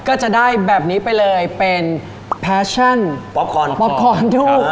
ก็จะได้แบบนี้ไปเลยเป็นแฟชั่นป๊อปคอนป๊อปคอนทู